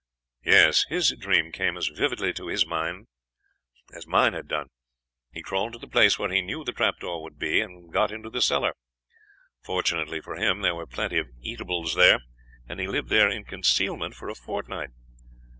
"Yes, his dream came as vividly to his mind as mine had done. He crawled to the place where he knew the trapdoor would be, and got into the cellar. Fortunately for him there were plenty of eatables there, and he lived there in concealment for a fortnight.